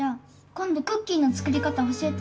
今度クッキーの作り方教えて。